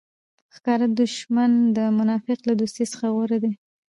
ښکاره دوښمن د منافق له دوستۍ څخه غوره دئ!